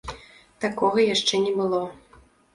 Такога яшчэ не было.